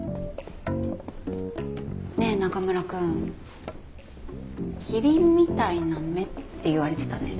ねえ中村くんキリンみたいな目って言われてたね？